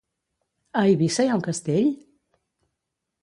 A Eivissa hi ha un castell?